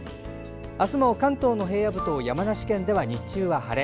明日も関東の平野部と山梨県では日中は晴れ。